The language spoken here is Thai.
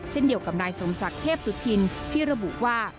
เช่นเดียวกับนายสมศักดิ์เทพสุธินที่ระบุว่า